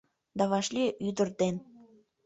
Да вашлие ӱдыр ден